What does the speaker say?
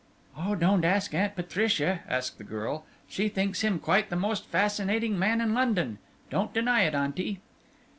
"Oh, don't ask Aunt Patricia!" cried the girl. "She thinks him quite the most fascinating man in London. Don't deny it, auntie!"